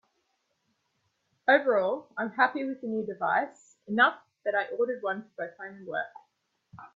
Overall I'm happy with the new device, enough that I ordered one for both home and work.